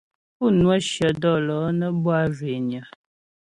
Pú ŋwə shyə dɔ̌lɔ̌ nə́ bwâ zhwényə.